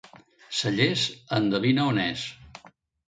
Cellers, endevina on és.